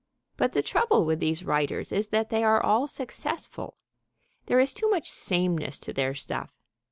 But the trouble with these writers is that they are all successful. There is too much sameness to their stuff.